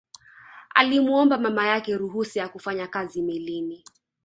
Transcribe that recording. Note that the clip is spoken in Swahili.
Alimuomba mama yake ruhusa ya kufanya kazi melini